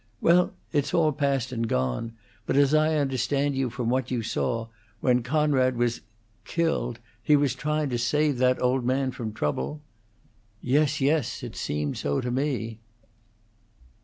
"Well, it's all past and gone! But as I understand you from what you saw, when Coonrod was killed, he was tryin' to save that old man from trouble?" "Yes, yes! It seemed so to me."